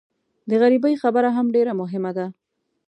د غریبۍ خبره هم ډېره مهمه ده.